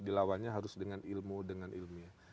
dilawannya harus dengan ilmu dengan ilmiah